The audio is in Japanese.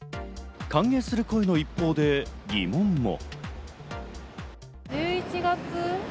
歓迎する声の一方で疑問も。